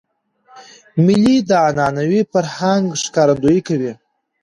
مېلې د عنعنوي فرهنګ ښکارندویي کوي.